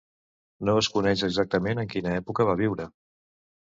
No es coneix exactament en quina època va viure.